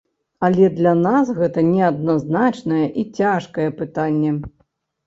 Але для нас гэта неадназначнае і цяжкае пытанне.